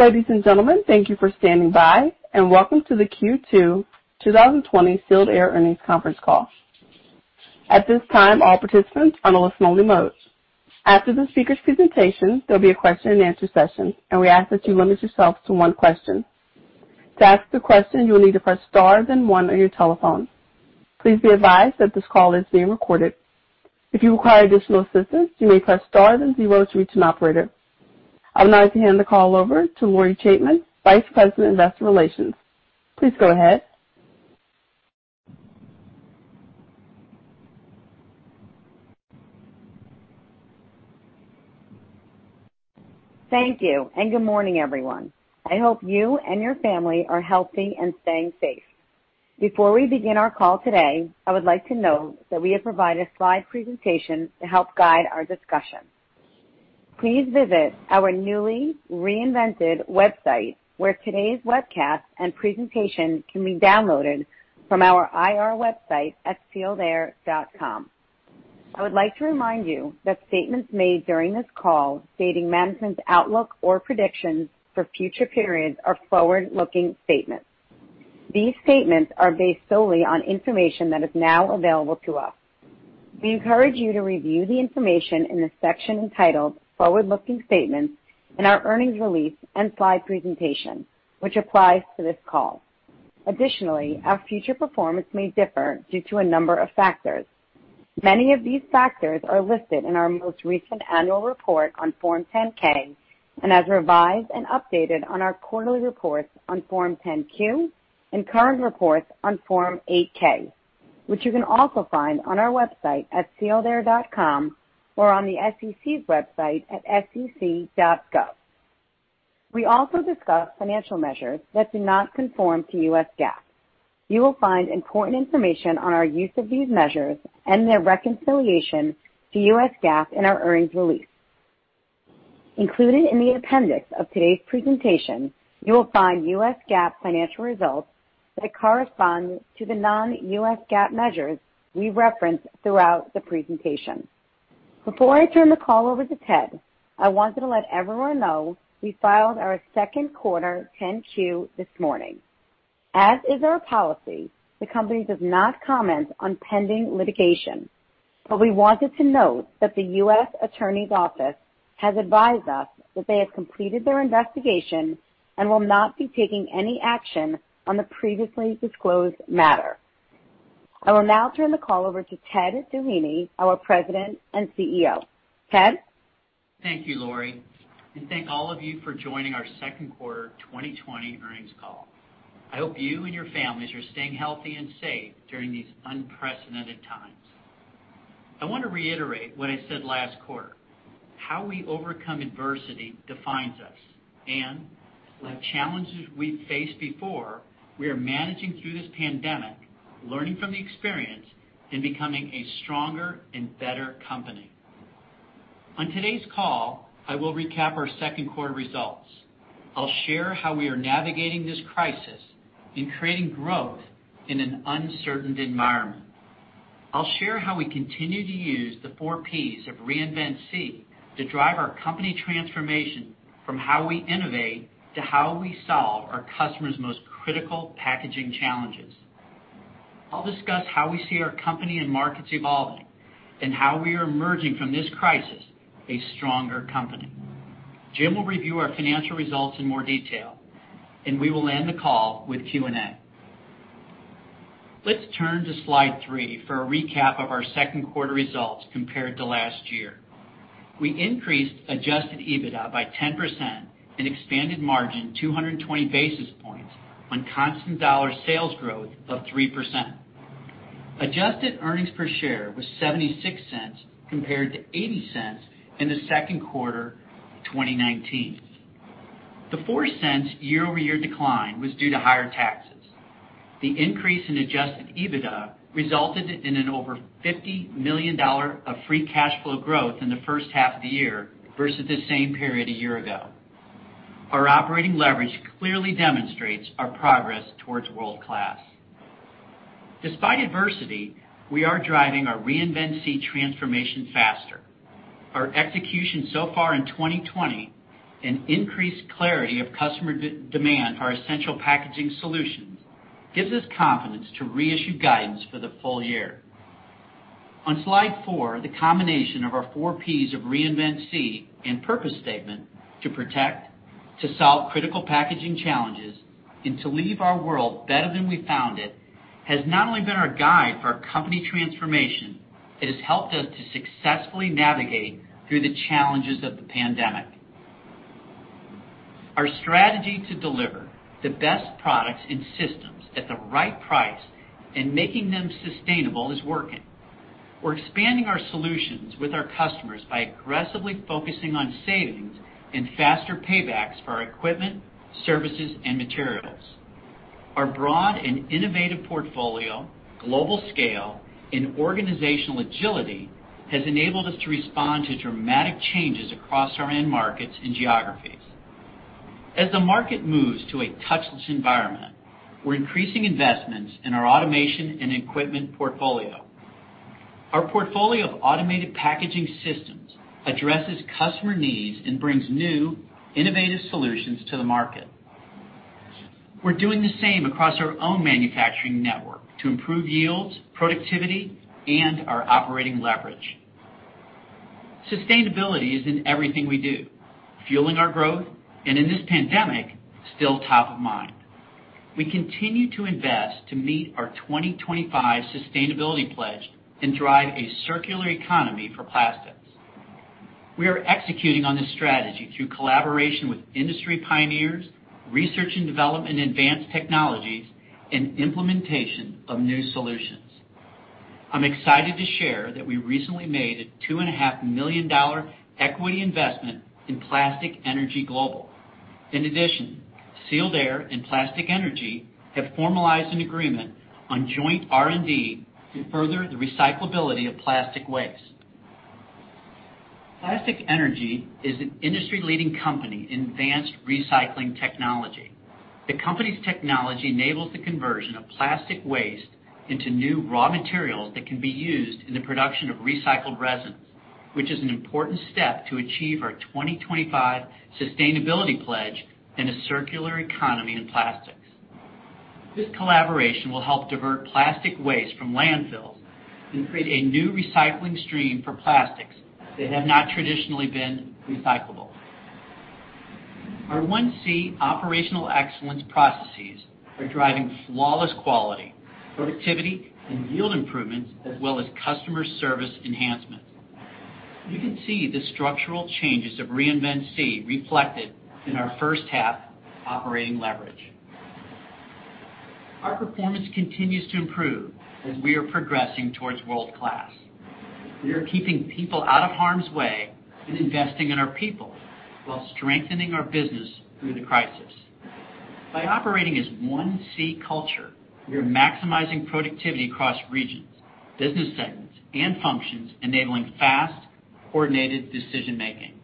Ladies and gentlemen, thank you for standing by, and welcome to the Q2 2020 Sealed Air Earnings conference call. At this time, all participants are in listen only mode. After the speaker's presentation, there'll be a question and answer session, and we ask that you limit yourself to one question. To ask the question, you will need to press star then one on your telephone. Please be advised that this call is being recorded. If you require additional assistance, you may press star then zero to reach an operator. I would now like to hand the call over to Lori Chaitman, Vice President of Investor Relations. Please go ahead. Thank you. Good morning, everyone. I hope you and your family are healthy and staying safe. Before we begin our call today, I would like to note that we have provided a slide presentation to help guide our discussion. Please visit our newly reinvented website, where today's webcast and presentation can be downloaded from our IR website at sealedair.com. I would like to remind you that statements made during this call stating management's outlook or predictions for future periods are forward-looking statements. These statements are based solely on information that is now available to us. We encourage you to review the information in the section entitled Forward-Looking Statements in our earnings release and slide presentation, which applies to this call. Additionally, our future performance may differ due to a number of factors. Many of these factors are listed in our most recent annual report on Form 10-K and as revised and updated on our quarterly reports on Form 10-Q and current reports on Form 8-K, which you can also find on our website at sealedair.com or on the SEC's website at sec.gov. We also discuss financial measures that do not conform to U.S. GAAP. You will find important information on our use of these measures and their reconciliation to U.S. GAAP in our earnings release. Included in the appendix of today's presentation, you will find U.S. GAAP financial results that correspond to the non-U.S. GAAP measures we reference throughout the presentation. Before I turn the call over to Ted, I wanted to let everyone know we filed our Q2 10-Q this morning. As is our policy, the company does not comment on pending litigation. We wanted to note that the U.S. Attorney's Office has advised us that they have completed their investigation and will not be taking any action on the previously disclosed matter. I will now turn the call over to Ted Doheny, our President and CEO. Ted? Thank you, Lori. Thank all of you for joining our Q2 2020 earnings call. I hope you and your families are staying healthy and safe during these unprecedented times. I want to reiterate what I said last quarter. How we overcome adversity defines us and like challenges we've faced before, we are managing through this pandemic, learning from the experience and becoming a stronger and better company. On today's call, I will recap our Q2 results. I'll share how we are navigating this crisis and creating growth in an uncertain environment. I'll share how we continue to use the four Ps of Reinvent SEE to drive our company transformation from how we innovate to how we solve our customers' most critical packaging challenges. I'll discuss how we see our company and markets evolving and how we are emerging from this crisis a stronger company. Jim will review our financial results in more detail, and we will end the call with Q&A. Let's turn to slide 3 for a recap of our Q2 results compared to last year. We increased adjusted EBITDA by 10% and expanded margin 220 basis points on constant dollar sales growth of 3%. Adjusted EPS was $0.76 compared to $0.80 in the Q2 of 2019. The $0.04 year-over-year decline was due to higher taxes. The increase in adjusted EBITDA resulted in an over $50 million of free cash flow growth in the H1 of the year versus the same period a year ago. Our operating leverage clearly demonstrates our progress towards world-class. Despite adversity, we are driving our Reinvent SEE transformation faster. Our execution so far in 2020 and increased clarity of customer demand, our essential packaging solutions, gives us confidence to reissue guidance for the full year. On slide 4, the combination of our four Ps of Reinvent SEE and purpose statement to protect, to solve critical packaging challenges, and to leave our world better than we found it, has not only been our guide for our company transformation, it has helped us to successfully navigate through the challenges of the pandemic. Our strategy to deliver the best products and systems at the right price and making them sustainable is working. We're expanding our solutions with our customers by aggressively focusing on savings and faster paybacks for our equipment, services, and materials. Our broad and innovative portfolio, global scale, and organizational agility has enabled us to respond to dramatic changes across our end markets and geographies. As the market moves to a touchless environment, we're increasing investments in our automation and equipment portfolio. Our portfolio of automated packaging systems addresses customer needs and brings new, innovative solutions to the market. We're doing the same across our own manufacturing network to improve yields, productivity, and our operating leverage. Sustainability is in everything we do, fueling our growth, and in this pandemic, still top of mind. We continue to invest to meet our 2025 sustainability pledge and drive a circular economy for plastics. We are executing on this strategy through collaboration with industry pioneers, research and development advanced technologies, and implementation of new solutions. I'm excited to share that we recently made a $2.5 million equity investment in Plastic Energy Global. In addition, Sealed Air and Plastic Energy have formalized an agreement on joint R&D to further the recyclability of plastic waste. Plastic Energy is an industry-leading company in advanced recycling technology. The company's technology enables the conversion of plastic waste into new raw materials that can be used in the production of recycled resins, which is an important step to achieve our 2025 sustainability pledge in a circular economy in plastics. This collaboration will help divert plastic waste from landfills and create a new recycling stream for plastics that have not traditionally been recyclable. Our One SEE operational excellence processes are driving flawless quality, productivity, and yield improvements, as well as customer service enhancements. You can see the structural changes of Reinvent SEE reflected in our H1 operating leverage. Our performance continues to improve as we are progressing towards world-class. We are keeping people out of harm's way and investing in our people while strengthening our business through the crisis. By operating as One SEE culture, we are maximizing productivity across regions, business segments, and functions, enabling fast, coordinated decision-making.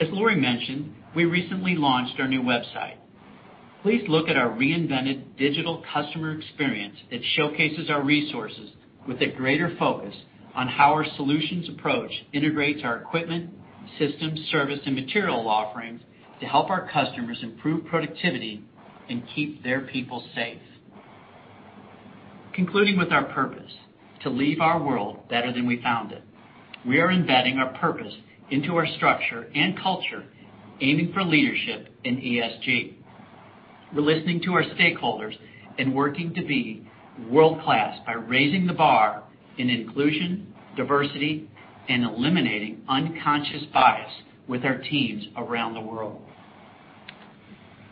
As Lori mentioned, we recently launched our new website. Please look at our reinvented digital customer experience that showcases our resources with a greater focus on how our solutions approach integrates our equipment, systems, service, and material offerings to help our customers improve productivity and keep their people safe. Concluding with our purpose, to leave our world better than we found it. We are embedding our purpose into our structure and culture, aiming for leadership in ESG. We're listening to our stakeholders and working to be world-class by raising the bar in inclusion, diversity, and eliminating unconscious bias with our teams around the world.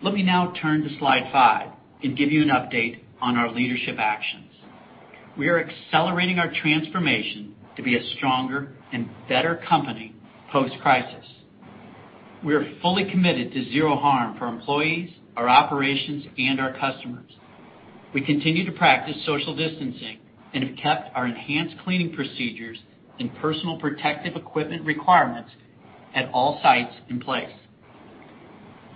Let me now turn to slide 5 and give you an update on our leadership actions. We are accelerating our transformation to be a stronger and better company post-crisis. We are fully committed to zero harm for employees, our operations, and our customers. We continue to practice social distancing and have kept our enhanced cleaning procedures and personal protective equipment requirements at all sites in place.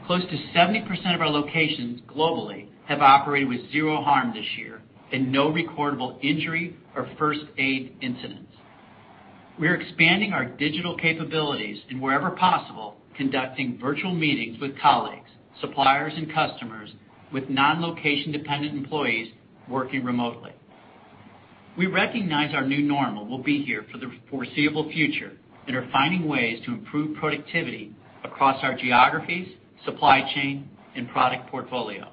Close to 70% of our locations globally have operated with zero harm this year and no recordable injury or first aid incidents. We are expanding our digital capabilities and wherever possible, conducting virtual meetings with colleagues, suppliers, and customers with non-location-dependent employees working remotely. We recognize our new normal will be here for the foreseeable future and are finding ways to improve productivity across our geographies, supply chain, and product portfolio.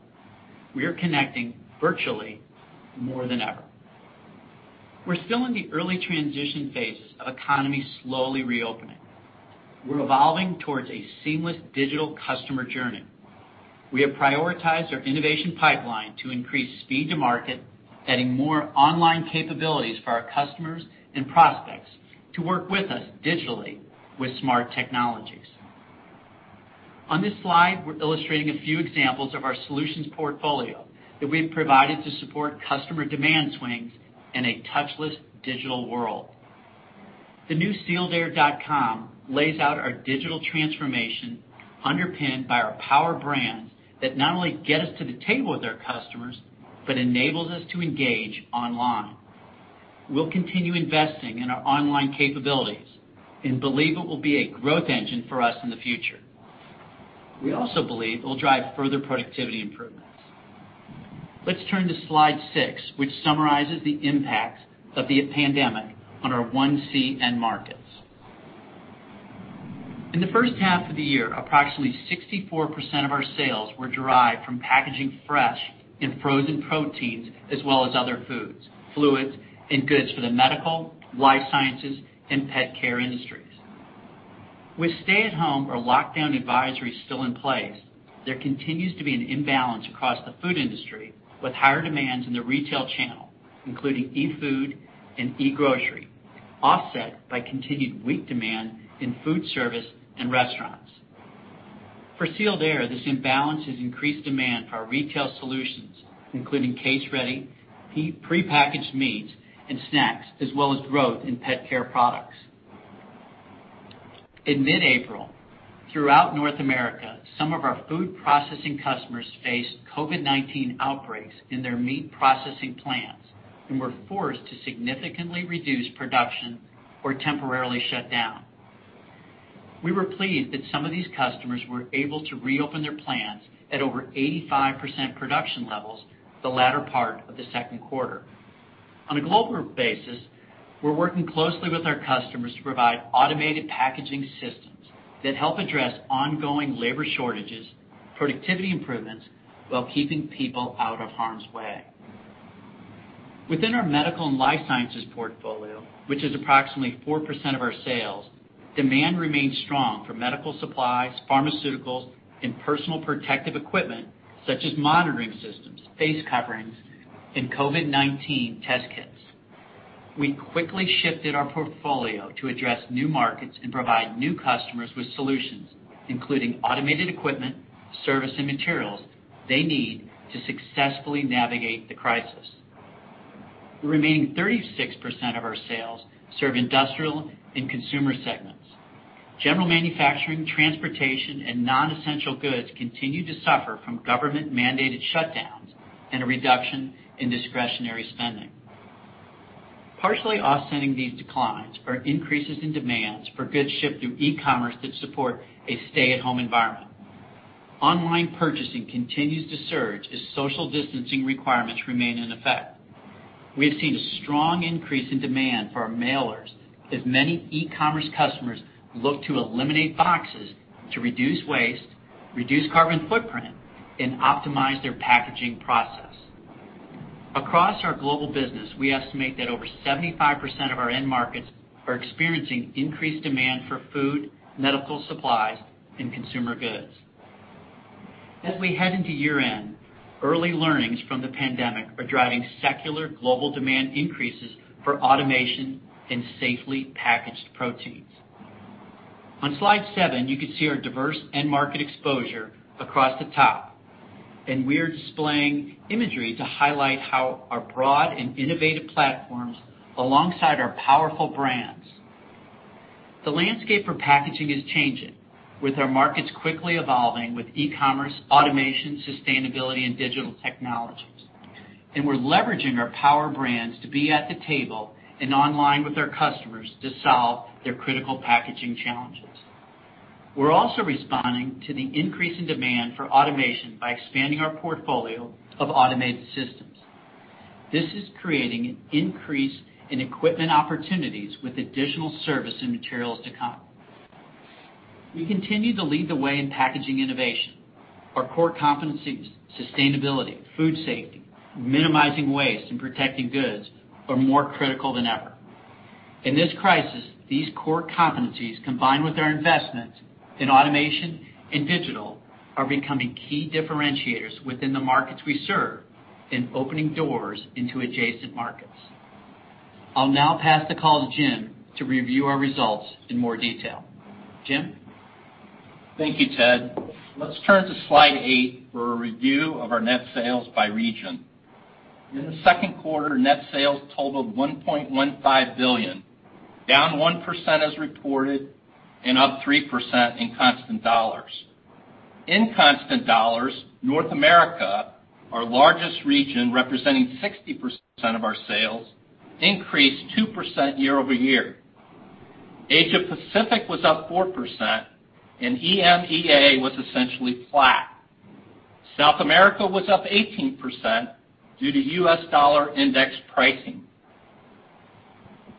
We are connecting virtually more than ever. We're still in the early transition phases of economies slowly reopening. We're evolving towards a seamless digital customer journey. We have prioritized our innovation pipeline to increase speed to market, adding more online capabilities for our customers and prospects to work with us digitally with smart technologies. On this slide, we're illustrating a few examples of our solutions portfolio that we have provided to support customer demand swings in a touchless digital world. The new sealedair.com lays out our digital transformation underpinned by our power brands that not only get us to the table with our customers, but enables us to engage online. We'll continue investing in our online capabilities and believe it will be a growth engine for us in the future. We also believe it will drive further productivity improvements. Let's turn to slide 6, which summarizes the impact of the pandemic on our One SEE end markets. In H1 of the year, approximately 64% of our sales were derived from packaging fresh and frozen proteins, as well as other foods, fluids, and goods for the medical, life sciences, and pet care industries. With stay-at-home or lockdown advisories still in place, there continues to be an imbalance across the food industry, with higher demands in the retail channel, including e-food and e-grocery, offset by continued weak demand in food service and restaurants. For Sealed Air, this imbalance has increased demand for our retail solutions, including case-ready, pre-packaged meats and snacks, as well as growth in pet care products. In mid-April, throughout North America, some of our food processing customers faced COVID-19 outbreaks in their meat processing plants and were forced to significantly reduce production or temporarily shut down. We were pleased that some of these customers were able to reopen their plants at over 85% production levels the latter part of the Q2. On a global basis, we're working closely with our customers to provide automated packaging systems that help address ongoing labor shortages, productivity improvements, while keeping people out of harm's way. Within our medical and life sciences portfolio, which is approximately 4% of our sales, demand remains strong for medical supplies, pharmaceuticals, and personal protective equipment, such as monitoring systems, face coverings, and COVID-19 test kits. We quickly shifted our portfolio to address new markets and provide new customers with solutions, including automated equipment, service, and materials they need to successfully navigate the crisis. The remaining 36% of our sales serve industrial and consumer segments. General manufacturing, transportation, and non-essential goods continue to suffer from government-mandated shutdowns and a reduction in discretionary spending. Partially offsetting these declines are increases in demands for goods shipped through e-commerce that support a stay-at-home environment. Online purchasing continues to surge as social distancing requirements remain in effect. We have seen a strong increase in demand for our mailers as many e-commerce customers look to eliminate boxes to reduce waste, reduce carbon footprint, and optimize their packaging process. Across our global business, we estimate that over 75% of our end markets are experiencing increased demand for Food, medical supplies, and consumer goods. As we head into year-end, early learnings from the pandemic are driving secular global demand increases for automation and safely packaged proteins. On slide 7, you can see our diverse end market exposure across the top, and we're displaying imagery to highlight how our broad and innovative platforms, alongside our powerful brands. The landscape for packaging is changing, with our markets quickly evolving with e-commerce, automation, sustainability, and digital technologies. We're leveraging our power brands to be at the table and online with our customers to solve their critical packaging challenges. We're also responding to the increase in demand for automation by expanding our portfolio of automated systems. This is creating an increase in equipment opportunities with additional service and materials to come. We continue to lead the way in packaging innovation. Our core competencies, sustainability, food safety, minimizing waste, and protecting goods are more critical than ever. In this crisis, these core competencies, combined with our investments in automation and digital, are becoming key differentiators within the markets we serve and opening doors into adjacent markets. I'll now pass the call to Jim to review our results in more detail. Jim? Thank you, Ted. Let's turn to slide 8 for a review of our net sales by region. In the second quarter, net sales totaled $1.15 billion, down 1% as reported and up 3% in constant dollars. In constant dollars, North America, our largest region, representing 60% of our sales, increased 2% year-over-year. Asia-Pacific was up 4%, and EMEA was essentially flat. South America was up 18% due to U.S. Dollar Index pricing.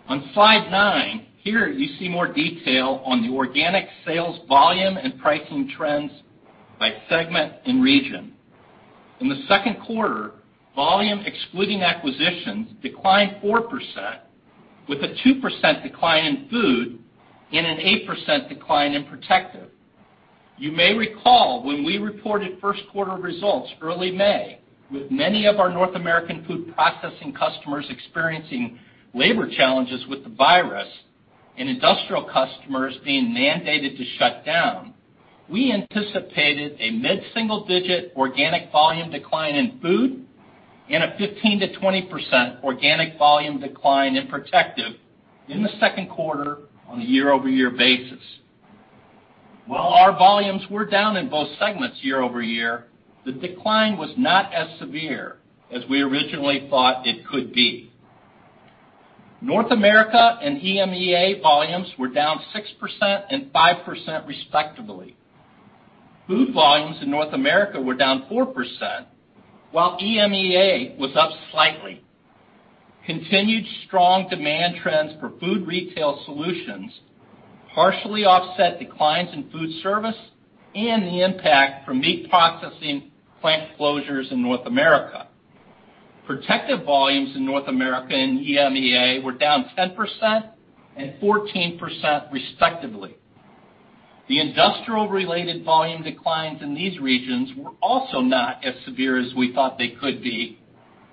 On slide nine, here you see more detail on the organic sales volume and pricing trends by segment and region. In the Q2, volume excluding acquisitions declined 4%, with a 2% decline in Food and an 8% decline in Protective. You may recall when we reported Q1 results early May, with many of our North American food processing customers experiencing labor challenges with the virus and industrial customers being mandated to shut down, we anticipated a mid-single-digit organic volume decline in Food and a 15%-20% organic volume decline in Protective in the Q2 on a year-over-year basis. While our volumes were down in both segments year-over-year, the decline was not as severe as we originally thought it could be. North America and EMEA volumes were down 6% and 5% respectively. Food volumes in North America were down 4%, while EMEA was up slightly. Continued strong demand trends for food retail solutions partially offset declines in food service and the impact from meat processing plant closures in North America. Protective volumes in North America and EMEA were down 10% and 14% respectively. The industrial-related volume declines in these regions were also not as severe as we thought they could be,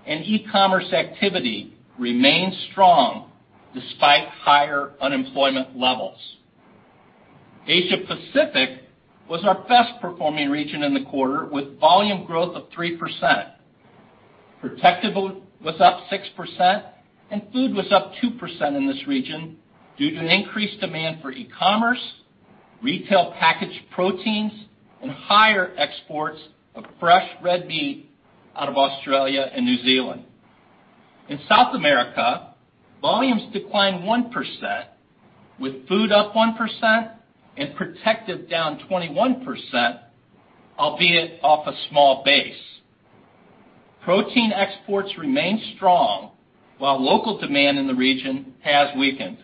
and e-commerce activity remains strong despite higher unemployment levels. Asia-Pacific was our best-performing region in the quarter, with volume growth of 3%. Protective was up 6%, and Food was up 2% in this region due to an increased demand for e-commerce, retail packaged proteins, and higher exports of fresh red meat out of Australia and New Zealand. In South America, volumes declined 1%, with Food up 1% and Protective down 21%, albeit off a small base. Protein exports remain strong while local demand in the region has weakened.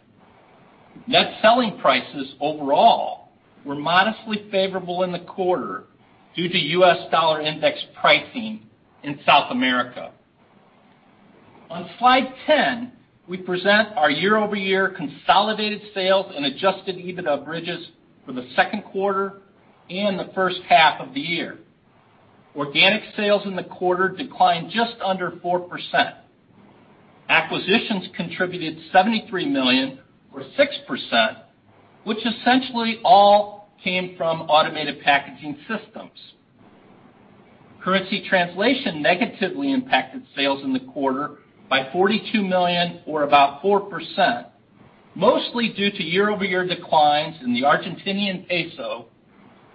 Net selling prices overall were modestly favorable in the quarter due to U.S. Dollar Index pricing in South America. On slide 10, we present our year-over-year consolidated sales and adjusted EBITDA bridges for the Q2 and the H1 of the year. Organic sales in the quarter declined just under 4%. Acquisitions contributed $73 million, or 6%, which essentially all came from automated packaging systems. Currency translation negatively impacted sales in the quarter by $42 million, or about 4%, mostly due to year-over-year declines in the Argentinian peso,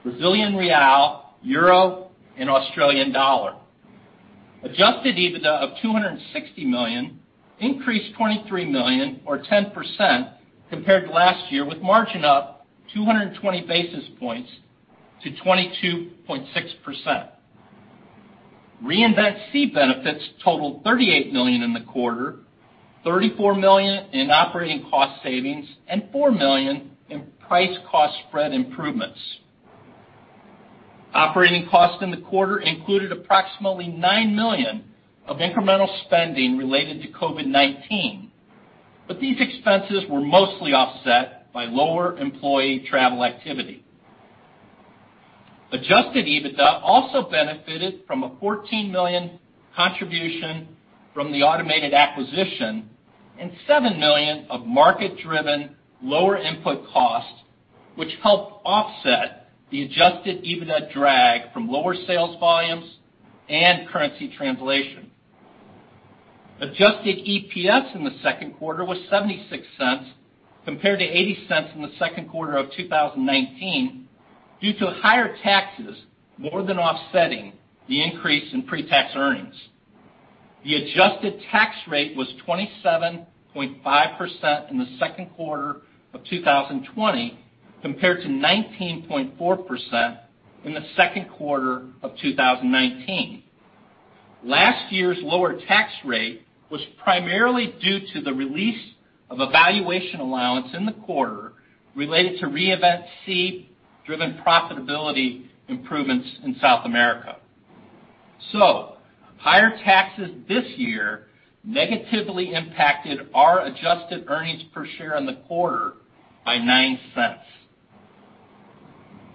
Brazilian real, euro, and Australian dollar. Adjusted EBITDA of $260 million increased $23 million or 10% compared to last year, with margin up 220 basis points to 22.6%. Reinvent SEE benefits totaled $38 million in the quarter, $34 million in operating cost savings, and $4 million in price cost spread improvements. Operating costs in the quarter included approximately $9 million of incremental spending related to COVID-19, but these expenses were mostly offset by lower employee travel activity. Adjusted EBITDA also benefited from a $14 million contribution from the automated acquisition and $7 million of market-driven lower input costs, which helped offset the adjusted EBITDA drag from lower sales volumes and currency translation. Adjusted EPS in the Q2 was $0.76 compared to $0.80 in Q2 of 2019 due to higher taxes more than offsetting the increase in pre-tax earnings. The adjusted tax rate was 27.5% in Q2 of 2020, compared to 19.4% in the Q2 of 2019. Last year's lower tax rate was primarily due to the release of a valuation allowance in the quarter related to Reinvent SEE-driven profitability improvements in South America. Higher taxes this year negatively impacted our adjusted earnings per share in the quarter by $0.09.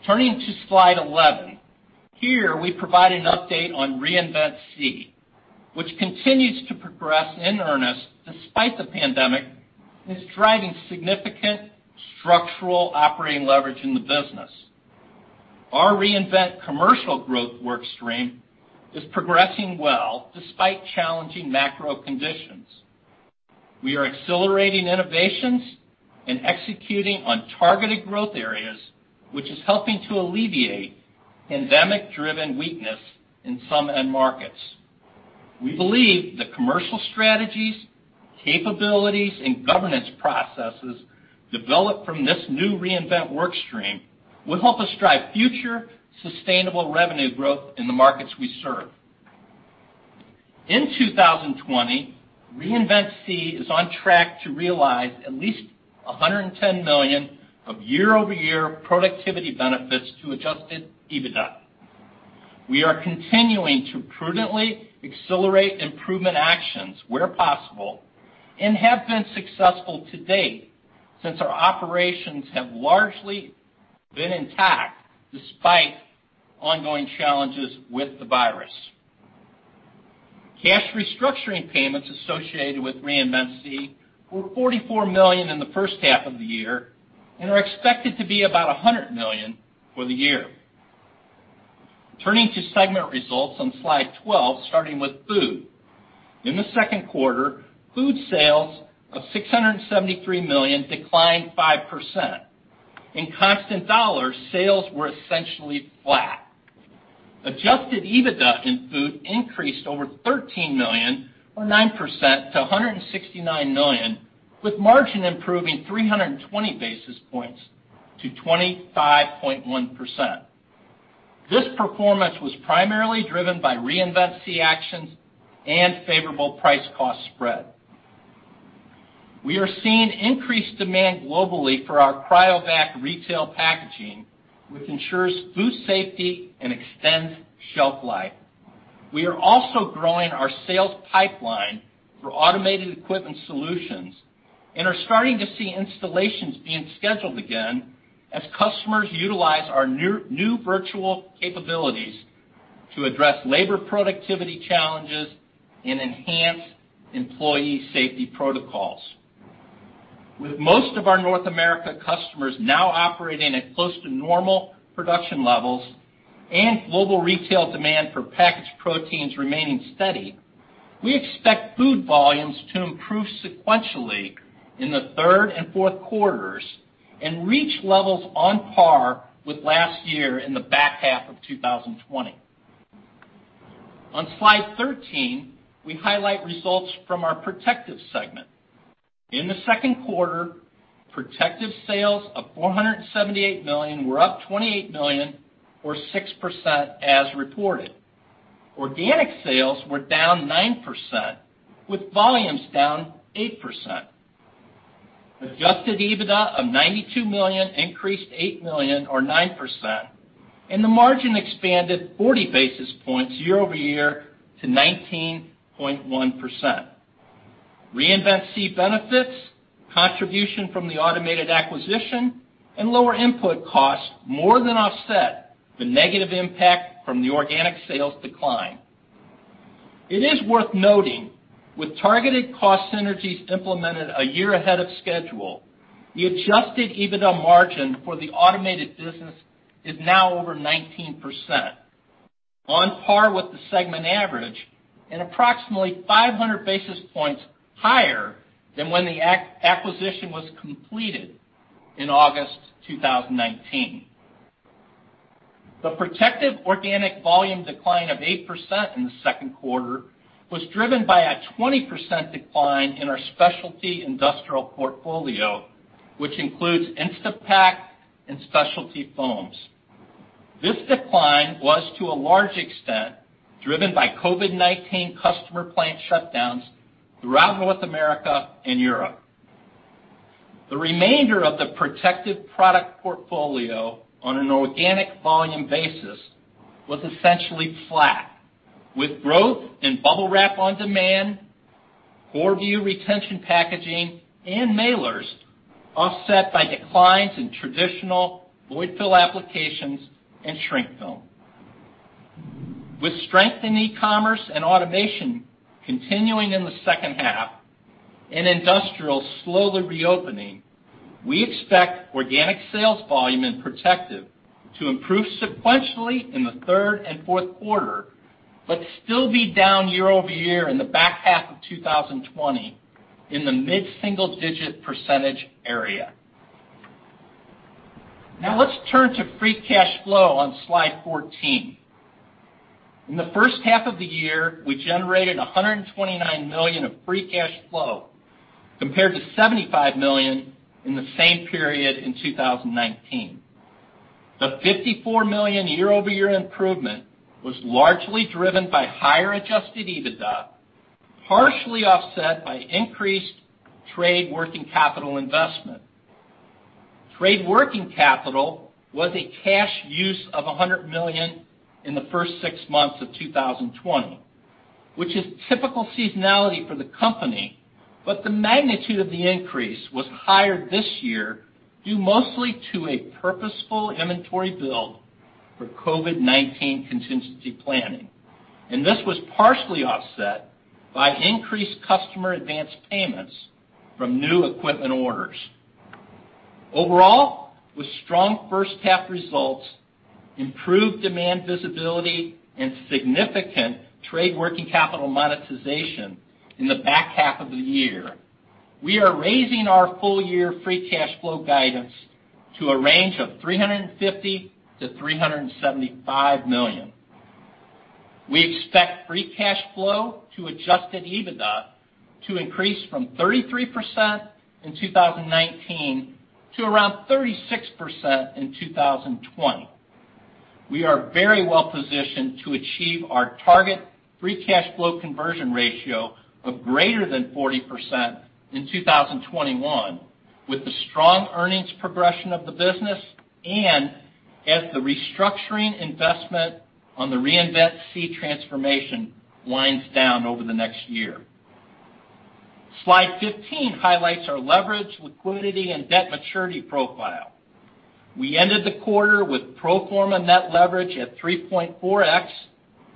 Turning to slide 11. Here, we provide an update on Reinvent SEE, which continues to progress in earnest despite the pandemic and is driving significant structural operating leverage in the business. Our Reinvent commercial growth work stream is progressing well despite challenging macro conditions. We are accelerating innovations and executing on targeted growth areas, which is helping to alleviate pandemic-driven weakness in some end markets. We believe the commercial strategies, capabilities, and governance processes developed from this new Reinvent work stream will help us drive future sustainable revenue growth in the markets we serve. In 2020, Reinvent SEE is on track to realize at least $110 million of year-over-year productivity benefits to adjusted EBITDA. We are continuing to prudently accelerate improvement actions where possible and have been successful to date since our operations have largely been intact despite ongoing challenges with the virus. Cash restructuring payments associated with Reinvent SEE were $44 million in H1 of the year and are expected to be about $100 million for the year. Turning to segment results on slide 12, starting with Food. In the Q2, Food sales of $673 million declined 5%. In constant dollars, sales were essentially flat. Adjusted EBITDA in Food increased over $13 million or 9% to $169 million, with margin improving 320 basis points to 25.1%. This performance was primarily driven by Reinvent SEE actions and favorable price-cost spread. We are seeing increased demand globally for our Cryovac retail packaging, which ensures food safety and extends shelf life. We are also growing our sales pipeline for automated equipment solutions and are starting to see installations being scheduled again as customers utilize our new virtual capabilities to address labor productivity challenges and enhance employee safety protocols. With most of our North America customers now operating at close to normal production levels and global retail demand for packaged proteins remaining steady, we expect Food volumes to improve sequentially in the third and fourth quarters and reach levels on par with last year in the H2 of 2020. On slide 13, we highlight results from our Protective segment. In the Q2, Protective sales of $478 million were up $28 million, or 6%, as reported. Organic sales were down 9%, with volumes down 8%. Adjusted EBITDA of $92 million increased $8 million, or 9%, and the margin expanded 40 basis points year-over-year to 19.1%. Reinvent SEE benefits, contribution from the automated acquisition, and lower input costs more than offset the negative impact from the organic sales decline. It is worth noting, with targeted cost synergies implemented a year ahead of schedule, the adjusted EBITDA margin for the automated business is now over 19%, on par with the segment average and approximately 500 basis points higher than when the acquisition was completed in August 2019. The Protective organic volume decline of 8% in Q2 was driven by a 20% decline in our specialty industrial portfolio, which includes Instapak and specialty foams. This decline was, to a large extent, driven by COVID-19 customer plant shutdowns throughout North America and Europe. The remainder of the Protective product portfolio on an organic volume basis was essentially flat, with growth in Bubble Wrap on Demand, CoreView retention packaging, and mailers offset by declines in traditional void fill applications and shrink film. With strength in e-commerce and automation continuing in the H2 and industrial slowly reopening, we expect organic sales volume in Protective to improve sequentially in the third and fourth quarter, but still be down year-over-year in the H2 of 2020 in the mid-single-digit percentage area. Now let's turn to free cash flow on slide 14. In the H1 of the year, we generated $129 million of free cash flow compared to $75 million in the same period in 2019. The $54 million year-over-year improvement was largely driven by higher adjusted EBITDA, partially offset by increased trade working capital investment. Trade working capital was a cash use of $100 million in the first six months of 2020, which is typical seasonality for the company. The magnitude of the increase was higher this year due mostly to a purposeful inventory build for COVID-19 contingency planning, and this was partially offset by increased customer advanced payments from new equipment orders. Overall, with strong H1 results, improved demand visibility, and significant trade working capital monetization in the H2 of the year, we are raising our full-year free cash flow guidance to a range of $350 million-$375 million. We expect free cash flow to adjusted EBITDA to increase from 33% in 2019 to around 36% in 2020. We are very well positioned to achieve our target free cash flow conversion ratio of greater than 40% in 2021 with the strong earnings progression of the business and as the restructuring investment on the Reinvent SEE transformation winds down over the next year. Slide 15 highlights our leverage, liquidity, and debt maturity profile. We ended the quarter with pro forma net leverage at 3.4x,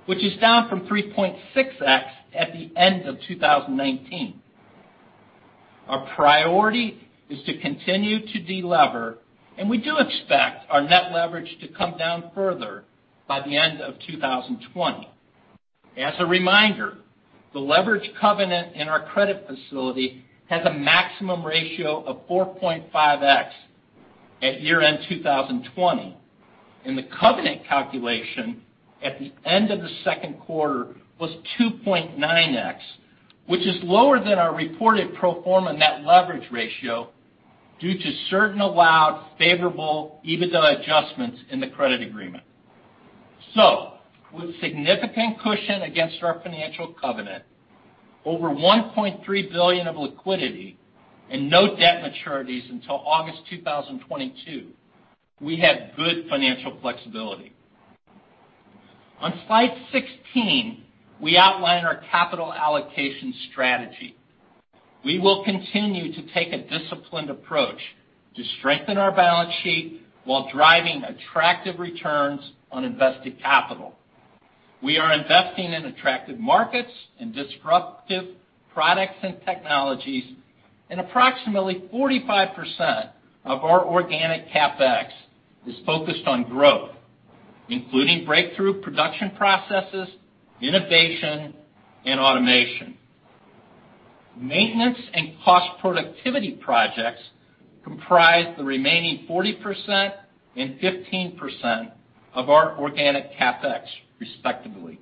which is down from 3.6x at the end of 2019. Our priority is to continue to de-lever, and we do expect our net leverage to come down further by the end of 2020. As a reminder, the leverage covenant in our credit facility has a maximum ratio of 4.5x at year-end 2020, and the covenant calculation at the end of the Q2 was 2.9x, which is lower than our reported pro forma net leverage ratio due to certain allowed favorable EBITDA adjustments in the credit agreement. With significant cushion against our financial covenant, over $1.3 billion of liquidity and no debt maturities until August 2022, we have good financial flexibility. On slide 16, we outline our capital allocation strategy. We will continue to take a disciplined approach to strengthen our balance sheet while driving attractive returns on invested capital. We are investing in attractive markets and disruptive products and technologies, and approximately 45% of our organic CapEx is focused on growth, including breakthrough production processes, innovation, and automation. Maintenance and cost productivity projects comprise the remaining 40% and 15% of our organic CapEx respectively.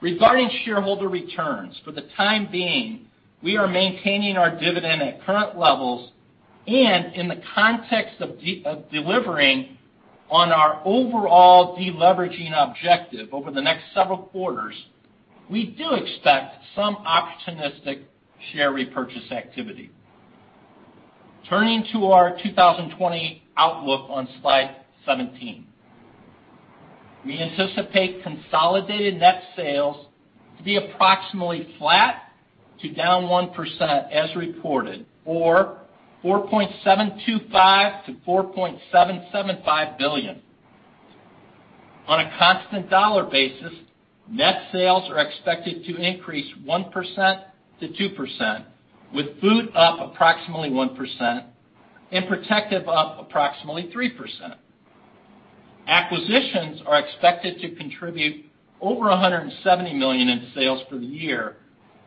Regarding shareholder returns, for the time being, we are maintaining our dividend at current levels, and in the context of delivering on our overall de-leveraging objective over the next several quarters, we do expect some opportunistic share repurchase activity. Turning to our 2020 outlook on slide 17. We anticipate consolidated net sales to be approximately flat to down 1% as reported, or $4.725 billion-$4.775 billion. On a constant dollar basis, net sales are expected to increase 1%-2%, with Food up approximately 1% and Protective up approximately 3%. Acquisitions are expected to contribute over $170 million in sales for the year,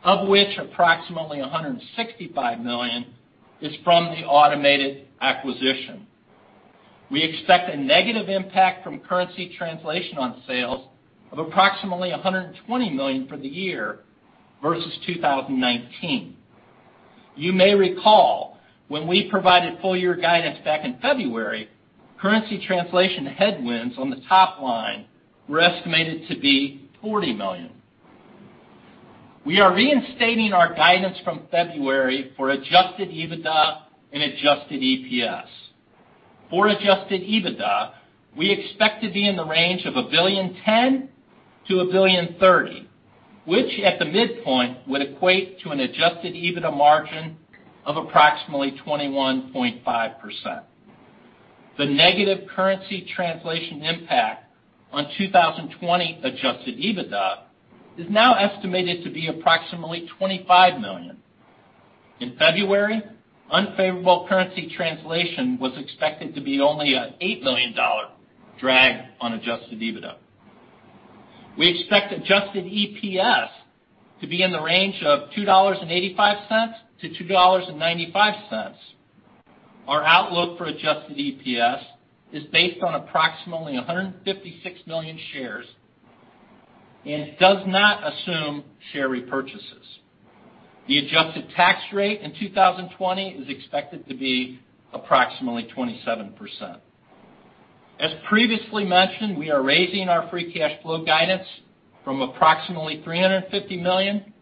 of which approximately $165 million is from the automated acquisition. We expect a negative impact from currency translation on sales of approximately $120 million for the year versus 2019. You may recall when we provided full-year guidance back in February, currency translation headwinds on the top line were estimated to be $40 million. We are reinstating our guidance from February for adjusted EBITDA and adjusted EPS. For adjusted EBITDA, we expect to be in the range of $1.01 billion-$1.03 billion, which at the midpoint would equate to an adjusted EBITDA margin of approximately 21.5%. The negative currency translation impact on 2020 adjusted EBITDA is now estimated to be approximately $25 million. In February, unfavorable currency translation was expected to be only an $8 million drag on adjusted EBITDA. We expect adjusted EPS to be in the range of $2.85-$2.95. Our outlook for adjusted EPS is based on approximately 156 million shares and does not assume share repurchases. The adjusted tax rate in 2020 is expected to be approximately 27%. As previously mentioned, we are raising our free cash flow guidance from approximately $350 million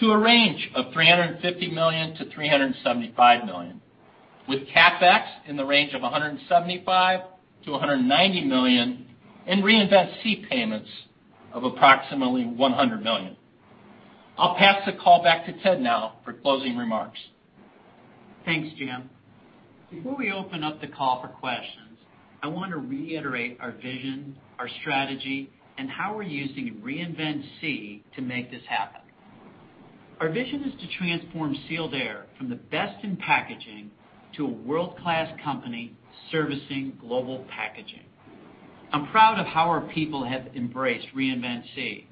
to a range of $350 million-$375 million, with CapEx in the range of $175 million-$190 million, and Reinvent SEE payments of approximately $100 million. I'll pass the call back to Ted now for closing remarks. Thanks, Jim. Before we open up the call for questions, I want to reiterate our vision, our strategy, and how we're using Reinvent SEE to make this happen. Our vision is to transform Sealed Air from the best in packaging to a world-class company servicing global packaging. I'm proud of how our people have embraced Reinvent SEE.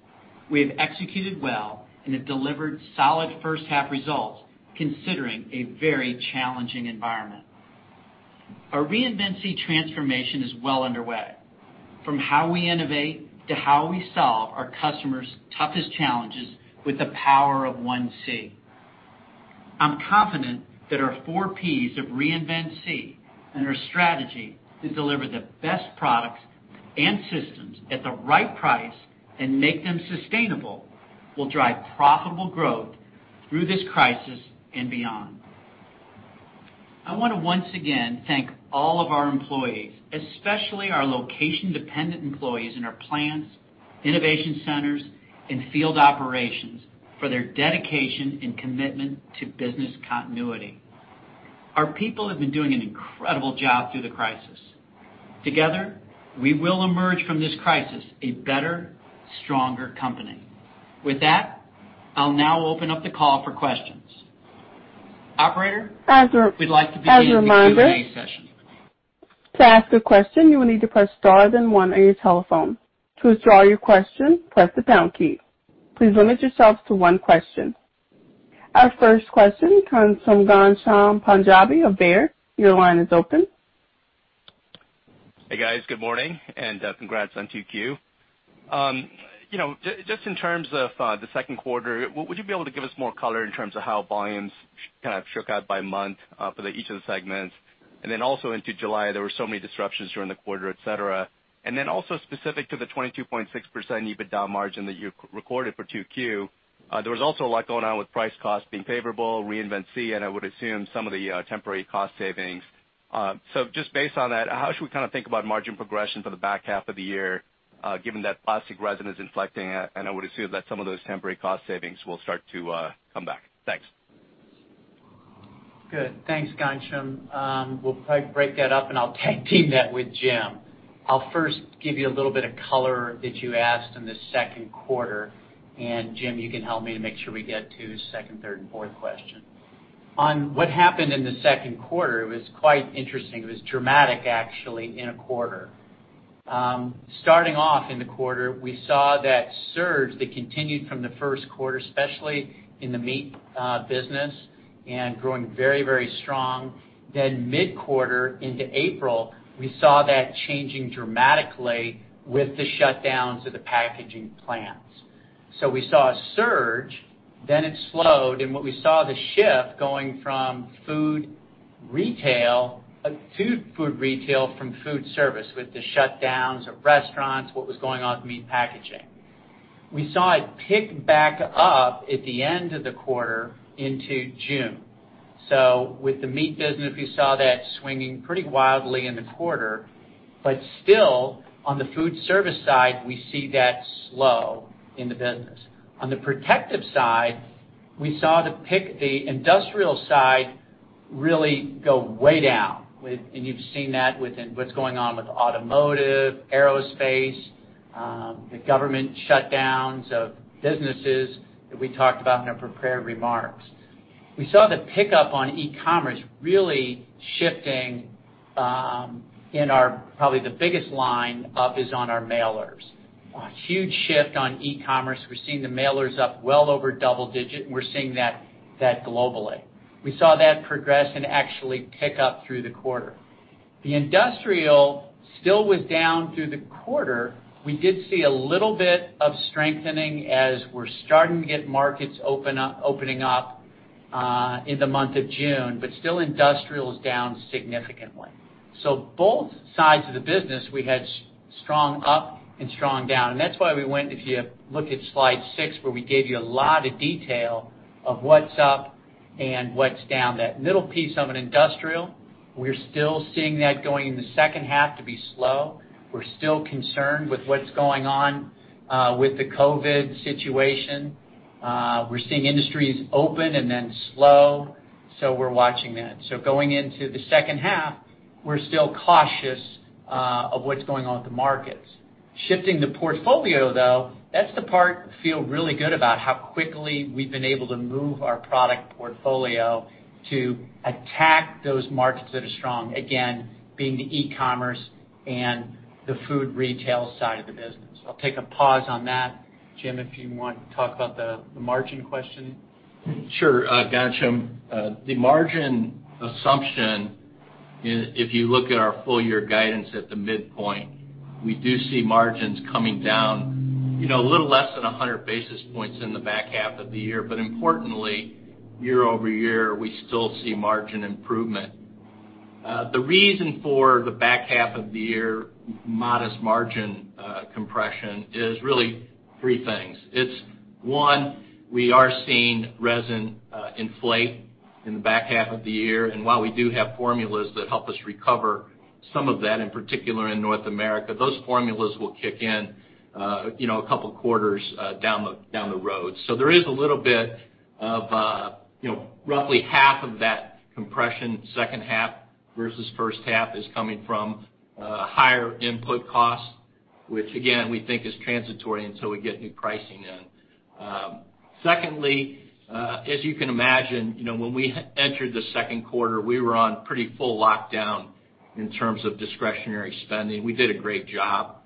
We have executed well and have delivered solid H1 results, considering a very challenging environment. Our Reinvent SEE transformation is well underway, from how we innovate to how we solve our customers' toughest challenges with the power of One SEE. I'm confident that our four Ps of Reinvent SEE and our strategy to deliver the best products and systems at the right price and make them sustainable will drive profitable growth through this crisis and beyond. I want to once again thank all of our employees, especially our location-dependent employees in our plants, innovation centers, and field operations, for their dedication and commitment to business continuity. Our people have been doing an incredible job through the crisis. Together, we will emerge from this crisis a better, stronger company. With that, I'll now open up the call for questions. Operator- As a- -we'd like to begin the Q&A session. As a reminder, to ask a question, you will need to press star then one on your telephone. To withdraw your question, press the pound key. Please limit yourself to one question. Our first question comes from Ghansham Panjabi of Baird. Your line is open. Hey, guys. Good morning, and congrats on Q2. Just in terms of the Q2, would you be able to give us more color in terms of how volumes kind of shook out by month for each of the segments? Into July, there were so many disruptions during the quarter, et cetera. Specific to the 22.6% EBITDA margin that you recorded for Q2, there was also a lot going on with price cost being favorable, Reinvent SEE, and I would assume some of the temporary cost savings. Just based on that, how should we think about margin progression for the H2 of the year, given that plastic resin is inflecting? I would assume that some of those temporary cost savings will start to come back. Thanks. Good. Thanks, Ghansham. We'll probably break that up, and I'll tag-team that with Jim. I'll first give you a little bit of color that you asked in the Q2, and Jim, you can help me to make sure we get to the second, third, and fourth question. On what happened in the Q2, it was quite interesting. It was dramatic, actually, in a quarter. Starting off in the quarter, we saw that surge that continued from the Q1, especially in the meat business, and growing very strong then mid-quarter into April, we saw that changing dramatically with the shutdowns of the packaging plants. We saw a surge, then it slowed, and what we saw the shift going from food retail from food service, with the shutdowns of restaurants, what was going on with meat packaging. We saw it pick back up at the end of the quarter into June. With the meat business, we saw that swinging pretty wildly in the quarter. Still, on the food service side, we see that slow in the business. On the Protective side, we saw the industrial side really go way down. You've seen that with what's going on with automotive, aerospace, the government shutdowns of businesses that we talked about in our prepared remarks. We saw the pickup on e-commerce really shifting in our-- probably the biggest line up is on our mailers. A huge shift on e-commerce. We're seeing the mailers up well over double-digit, and we're seeing that globally. We saw that progress and actually pick up through the quarter. The industrial still was down through the quarter, we did see a little bit of strengthening as we're starting to get markets opening up in the month of June but still industrial is down significantly. Both sides of the business, we had strong up and strong down. That's why we went, if you look at slide 6, where we gave you a lot of detail of what's up and what's down. That middle piece of an industrial, we're still seeing that going in the H2 to be slow. We're still concerned with what's going on with the COVID-19 situation. We're seeing industries open and then slow. We're watching that. Going into the H2, we're still cautious of what's going on with the markets. Shifting the portfolio, though, that's the part we feel really good about, how quickly we've been able to move our product portfolio to attack those markets that are strong again being the e-commerce and the Food retail side of the business. I'll take a pause on that. Jim, if you want to talk about the margin question. Sure. Ghansham. The margin assumption, if you look at our full-year guidance at the midpoint, we do see margins coming down a little less than 100 basis points in the H2 of the year. Importantly, year-over-year, we still see margin improvement. The reason for the H2 of the year modest margin compression is really three things. It's one, we are seeing resin inflate in the H2 of the year. While we do have formulas that help us recover some of that, in particular in North America, those formulas will kick in a couple of quarters down the road. There is a little bit of roughly half of that compression H2 versus H1 is coming from higher input costs, which again, we think is transitory until we get new pricing in. As you can imagine, when we entered the Q2, we were on pretty full lockdown in terms of discretionary spending. We did a great job.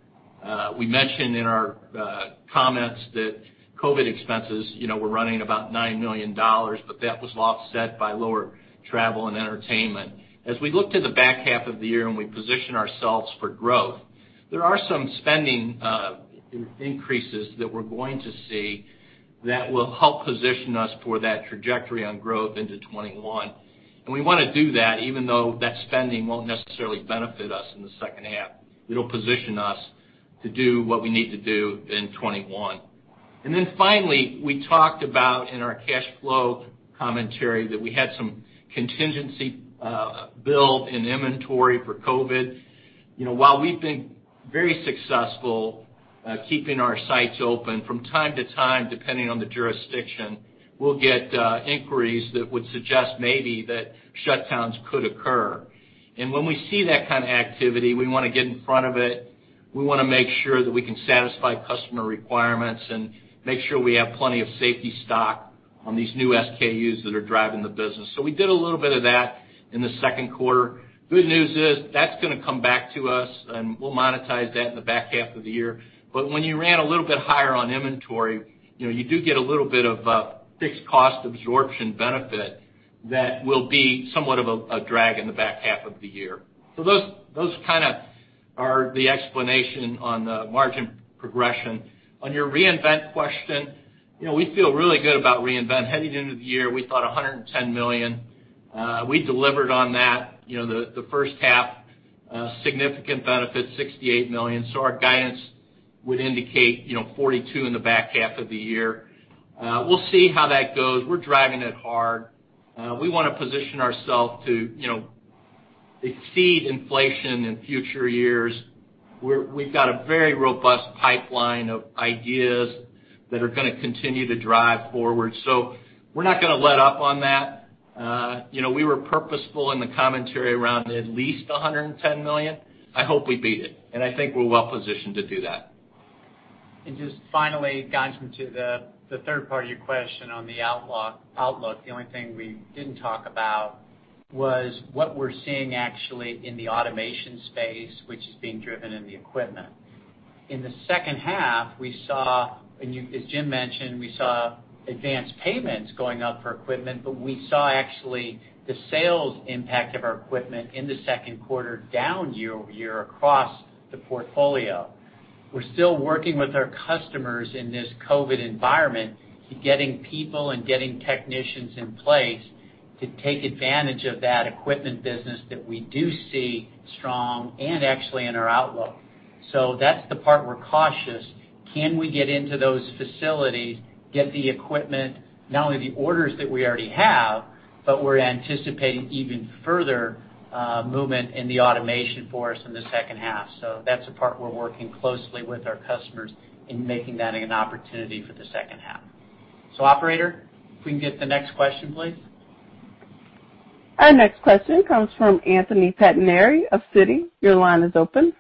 We mentioned in our comments that COVID expenses were running about $9 million, but that was offset by lower travel and entertainment. As we look to the H2 of the year and we position ourselves for growth, there are some spending increases that we're going to see that will help position us for that trajectory on growth into 2021. We want to do that even though that spending won't necessarily benefit us in the H2. It'll position us to do what we need to do in 2021. Finally, we talked about in our cash flow commentary that we had some contingency build in inventory for COVID. While we've been very successful keeping our sites open from time to time, depending on the jurisdiction, we'll get inquiries that would suggest maybe that shutdowns could occur. When we see that kind of activity, we want to get in front of it. We want to make sure that we can satisfy customer requirements and make sure we have plenty of safety stock on these new SKUs that are driving the business. We did a little bit of that in the Q2. Good news is that's going to come back to us, and we'll monetize that in the H2 of the year. When you ran a little bit higher on inventory, you do get a little bit of fixed cost absorption benefit that will be somewhat of a drag in the H2 of the year. Those are the explanation on the margin progression. On your Reinvent question, we feel really good about Reinvent. Heading into the year, we thought $110 million. We delivered on that. The H1, significant benefit, $68 million. Our guidance would indicate $42 in the H2 of the year. We'll see how that goes. We're driving it hard. We want to position ourself to exceed inflation in future years. We've got a very robust pipeline of ideas that are going to continue to drive forward. We're not going to let up on that. We were purposeful in the commentary around at least $110 million. I hope we beat it, and I think we're well-positioned to do that. Just finally, Ghansham, to the third part of your question on the outlook. The only thing we didn't talk about was what we're seeing actually in the automation space, which is being driven in the equipment. In the H2, as Jim mentioned, we saw advanced payments going up for equipment, but we saw actually the sales impact of our equipment in the Q2 down year-over-year across the portfolio. We're still working with our customers in this COVID environment to getting people and getting technicians in place to take advantage of that equipment business that we do see strong and actually in our outlook. That's the part we're cautious. Can we get into those facilities, get the equipment, not only the orders that we already have, but we're anticipating even further movement in the automation for us in the H2. That's the part we're working closely with our customers in making that an opportunity for H2. Operator, if we can get the next question, please. Our next question comes from Anthony Pettinari of Citi. Your line is open.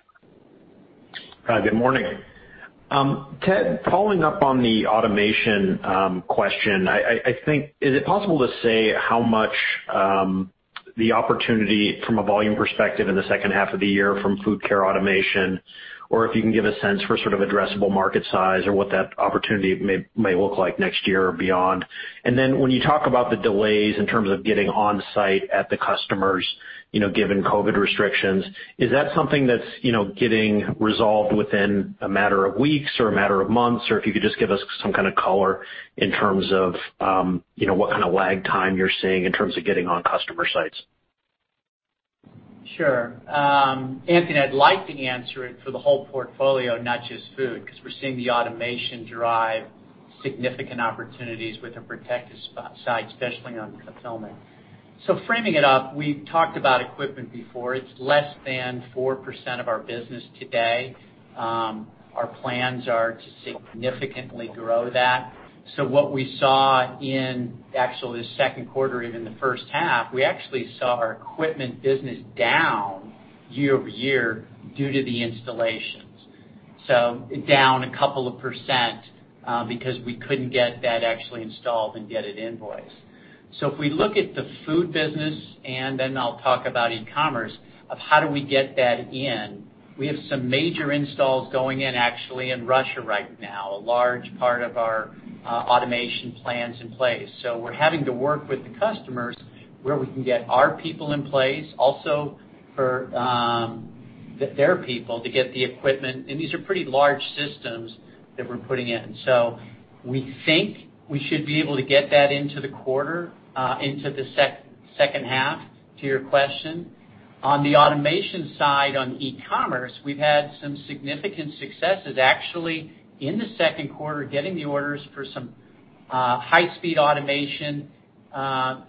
Hi, good morning. Ted, following up on the automation question, is it possible to say how much the opportunity from a volume perspective in the H2 of the year from food care automation, or if you can give a sense for sort of addressable market size or what that opportunity may look like next year or beyond? When you talk about the delays in terms of getting on-site at the customers, given COVID restrictions, is that something that's getting resolved within a matter of weeks or a matter of months? Or if you could just give us some kind of color in terms of what kind of lag time you're seeing in terms of getting on customer sites. Sure. Anthony, I'd like to answer it for the whole portfolio, not just Food, because we're seeing the automation drive significant opportunities with the Protective side, especially on fulfillment. Framing it up, we talked about equipment before. It's less than 4% of our business today. Our plans are to significantly grow that. What we saw in actually the Q2, even the H1, we actually saw our equipment business down year-over-year due to the installations. Down a couple of percent because we couldn't get that actually installed and get it invoiced. If we look at the Food business, and then I'll talk about e-commerce of how do we get that in. We have some major installs going in actually in Russia right now, a large part of our automation plan's in place. We're having to work with the customers where we can get our people in place also for their people to get the equipment. These are pretty large systems that we're putting in. We think we should be able to get that into the quarter, into the H2, to your question. On the automation side, on e-commerce, we've had some significant successes actually in the Q2, getting the orders for some high-speed automation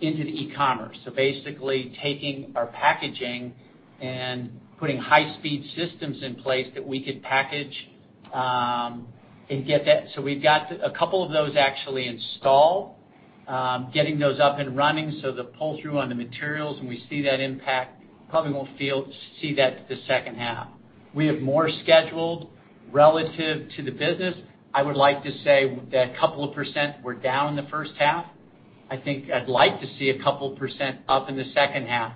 into the e-commerce. Basically taking our packaging and putting high-speed systems in place that we could package and get that. We've got a couple of those actually installed. Getting those up and running, so the pull-through on the materials, and we see that impact, probably won't see that till the H2. We have more scheduled relative to the business. I would like to say that a couple of percent were down in the H1. I think I'd like to see a couple percent up in the H2.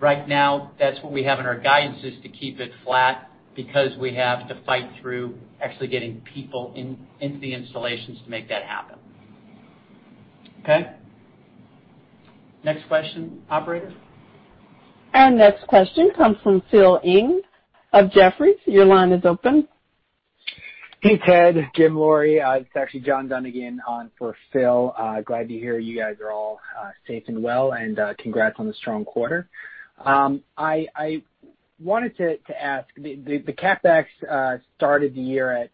Right now, that's what we have in our guidance is to keep it flat because we have to fight through actually getting people into the installations to make that happen. Okay. Next question, Operator. Our next question comes from Phil Ng of Jefferies. Your line is open. Hey, Ted, Jim, Lori. It's actually John Dunigan on for Phil. Glad to hear you guys are all safe and well. Congrats on the strong quarter. I wanted to ask, the CapEx started the year at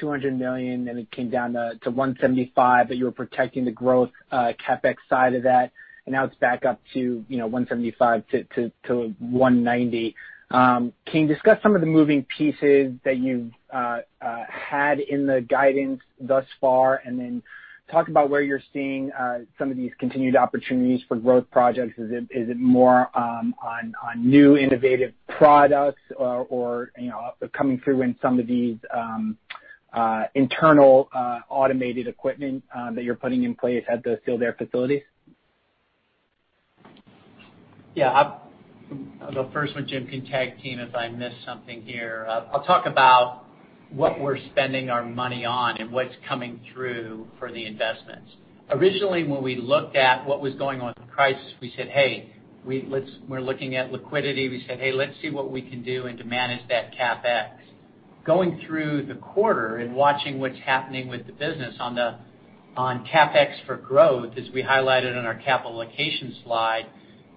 $200 million. It came down to $175 million. You were protecting the growth CapEx side of that. Now it's back up to $175 million-$190 million. Can you discuss some of the moving pieces that you've had in the guidance thus far? Talk about where you're seeing some of these continued opportunities for growth projects? Is it more on new innovative products or coming through in some of these internal automated equipment that you're putting in place at the Sealed Air facilities? Yeah. I'll go first, when Jim can tag-team if I miss something here. I'll talk about what we're spending our money on and what's coming through for the investments. Originally, when we looked at what was going on with prices, we said, "Hey, we're looking at liquidity." We said, "Hey, let's see what we can do to manage that CapEx." Going through the quarter and watching what's happening with the business on CapEx for growth, as we highlighted on our capital allocation slide,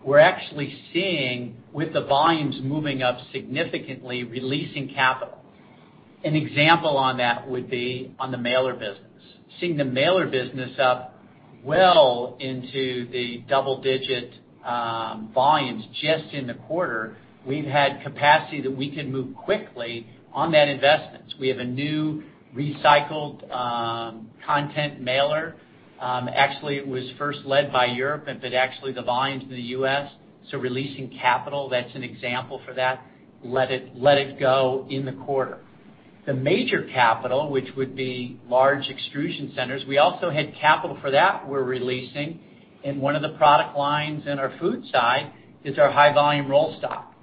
we're actually seeing, with the volumes moving up significantly, releasing capital. An example on that would be on the mailer business. Seeing the mailer business up well into the double-digit volumes just in the quarter, we've had capacity that we could move quickly on that investment. We have a new recycled content mailer. Actually, it was first led by Europe, but actually the volumes in the U.S., so releasing capital, that's an example for that. Let it go in the quarter. The major capital, which would be large extrusion centers, we also had capital for that we're releasing. One of the product lines in our Food side is our high-volume roll stock.